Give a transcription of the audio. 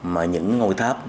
mà những ngôi tháp